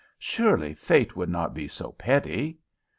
Surely fate would not be so petty.